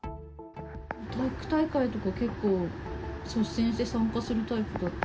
体育大会とか、結構率先して参加するタイプだった。